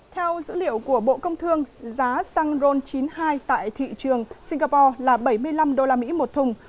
theo dữ liệu của bộ công thương giá xăng ron chín mươi hai tại thị trường singapore là bảy mươi năm usd một thùng